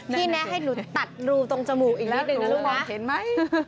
แนะให้หนูตัดรูตรงจมูกอีกนิดหนึ่งนะลูกนะเห็นไหม